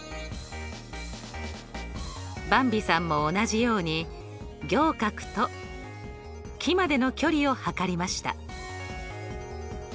ばんびさんも同じように仰角と木までの距離を測りました。